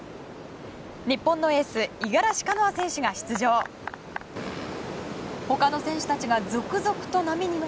日本のエース五十嵐カノア選手が出場。